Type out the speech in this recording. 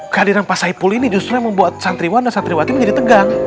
kehadiran pak saipul ini justru yang membuat santriwan dan santriwati menjadi tegang